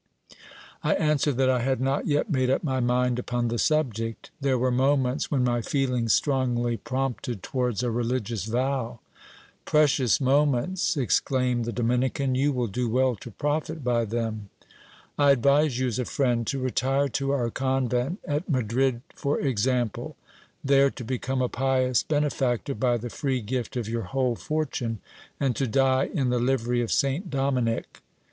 I answered that I had not yet made up my mind upon the subject : there were moments when my feelings strongly prompted towards a religious vow. Precious moments ! exclaimed the Dominican, you will do well to profit by them. I advise you as a friend to retire to our convent at Madrid, for example ; there to become a pious bene factor by the free gift of your whole fortune, and to die in the livery of Saint Dominic.